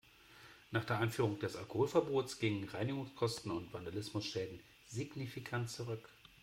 Nach der Einführung des Alkoholverbots gingen Reinigungskosten und Vandalismusschäden signifikant zurück.